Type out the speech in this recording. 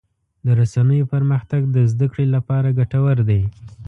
د رسنیو پرمختګ د زدهکړې لپاره ګټور دی.